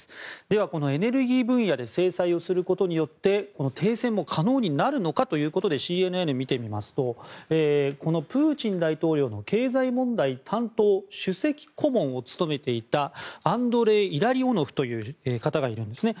では、このエネルギー分野で制裁することによって停戦も可能になるのかということでＣＮＮを見てみますとプーチン大統領の経済問題担当首席顧問を務めていたアンドレイ・イラリオノフという方がいるんですね。